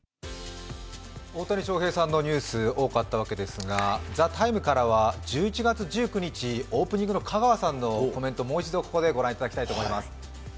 大谷翔平さんのニュース、多かったわけですが、「ＴＨＥＴＩＭＥ，」からは１１月１９日、オープニングの香川さんのコメント、もう一度御覧いただきます。